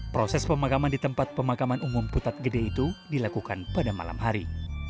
proses pemakaman di tempat pemakaman umum putat gede itu dilakukan pada malam hari